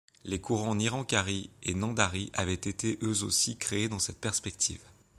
Les courants Nirankari et Namdhari avaient été eux aussi créés dans cette perspective.